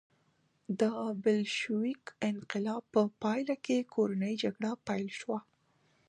د بلشویک انقلاب په پایله کې کورنۍ جګړه پیل شوه.